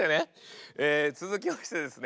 続きましてですね